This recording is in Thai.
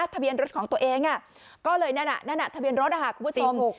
ทะเบียนรถของตัวเองอะก็เลยนั่นน่ะนั่นน่ะทะเบียนรถอ่ะคุณผู้ชม